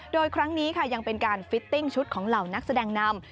โดยครั้งนี้ค่ะยังเป็นการฟิตติ้งชุดของเหล่านักแสดงนำ